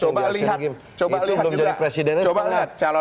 itu belum jadi presidennya setengah